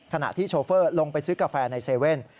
ขณะที่โชเฟอร์ลงไปซื้อกาแฟใน๗๑๑